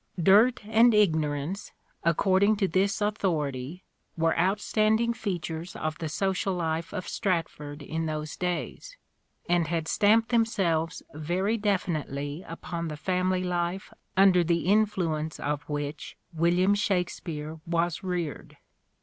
Dirt and ignorance, according to this authority, were outstanding features of the social life of Stratford in those days and had stamped themselves very definitely upon the family life under the influence of which William Shakspere was reared.